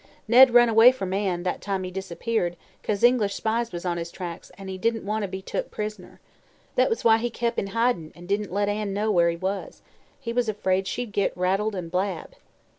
Ned run away from Ann, that time he disappeared, 'cause English spies was on his tracks an' he didn't want to be took pris'ner. That was why he kep' in hidin' an' didn't let Ann know where he was. He was afraid she'd git rattled an' blab."